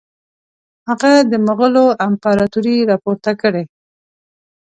هغه د مغولو امپراطوري را پورته کړي.